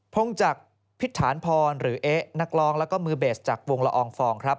พงจักรพิษฐานพรหรือเอ๊ะนักร้องแล้วก็มือเบสจากวงละอองฟองครับ